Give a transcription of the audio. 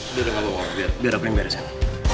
udah udah gak apa apa biar aku yang beresin